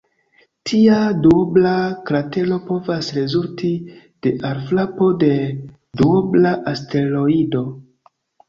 Tia duobla kratero povas rezulti de alfrapo de duobla asteroido.